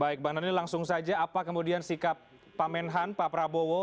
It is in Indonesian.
baik bang daniel langsung saja apa kemudian sikap pak menhan pak prabowo